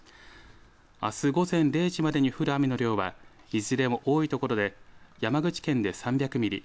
あす午前０時までに降る雨の量はいずれも多い所で山口県で３００ミリ